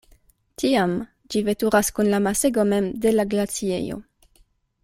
Tiam ĝi veturas kun la masego mem de la glaciejo.